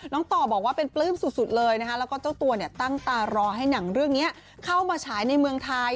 ต่อบอกว่าเป็นปลื้มสุดเลยนะคะแล้วก็เจ้าตัวเนี่ยตั้งตารอให้หนังเรื่องนี้เข้ามาฉายในเมืองไทย